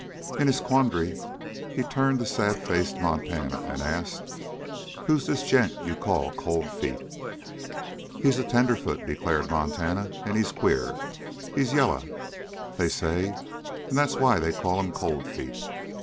In his quandary he turned to sad faced Montana and asked: "Who's this gent you call Cold Feet?" "He's a tenderfoot," declared Montana, "and he's queer. He's yaller, they say, and that's why they call him Cold Feet.